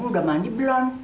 kamu udah mandi belum